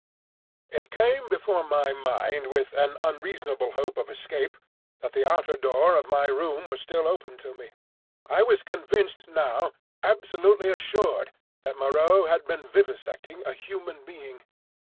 It came before my mind with an unreasonable hope of escape that the outer door of my room was still open to me. I was convinced now, absolutely assured, that Moreau had been vivisecting a human being.